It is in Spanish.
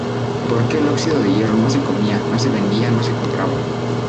Porque el óxido de hierro no se comía, no se vendía, no se compraba.